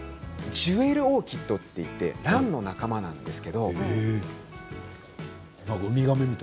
ジュエルオーキッドといってランの仲間なんですけれど。